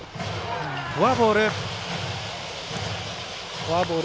フォアボール。